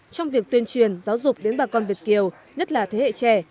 trong việc tuyên truyền giáo dục đến bà con việt kiều nhất là thế hệ trẻ